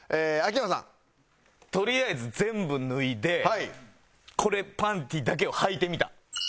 とりあえず全部脱いでこれパンティだけをはいてみた。